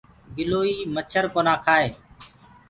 گِلوئيٚ مڇر ڪونآ ڪهآئي۔